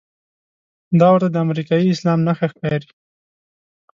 دا ورته د امریکايي اسلام نښه ښکاري.